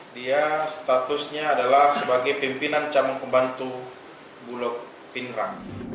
dia statusnya adalah sebagai pimpinan cabang pembantu bulog pindrang